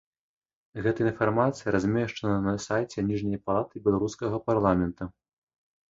Гэтая інфармацыя размешчана на сайце ніжняй палаты беларускага парламента.